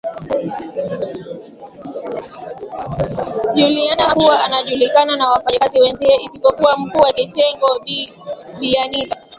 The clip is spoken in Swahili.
Juliana hakuwa anajulikana na wafanya kazi wenzie isipokuwa mkuu wa kitengo Bi Anita